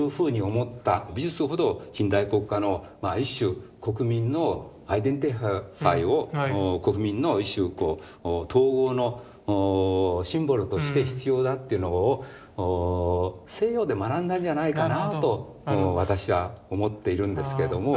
美術ほど近代国家の一種国民のアイデンティファイを国民の一種統合のシンボルとして必要だっていうのを西洋で学んだんじゃないかなと私は思っているんですけれども。